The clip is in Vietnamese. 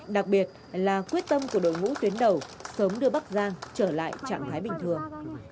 đặc biệt là quyết tâm của đội ngũ tuyến đầu sớm đưa bắc giang trở lại trạng thái bình thường